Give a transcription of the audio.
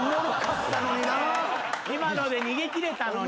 今ので逃げ切れたのに。